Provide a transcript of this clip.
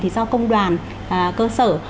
thì do công đoàn cơ sở